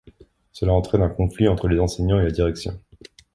Cela entraîne un conflit entre les enseignants et la direction.